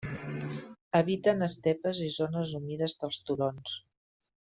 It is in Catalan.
Habita en estepes i zones humides dels turons.